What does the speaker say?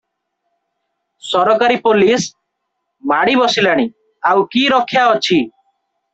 ସରକାରୀ ପୋଲିଶ ମାଡ଼ି ବସିଲାଣି, ଆଉ କି ରକ୍ଷା ଅଛି ।